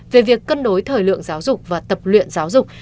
về việc cân đối thời lượng giáo dục và tập luyện giáo dục